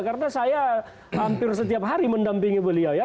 karena saya hampir setiap hari mendampingi beliau ya